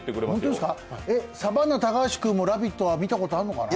サバンナ・高橋君も「ラヴィット！」は見たことあるのかな。